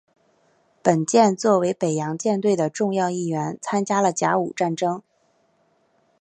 本舰作为北洋舰队的重要一员参加了甲午战争。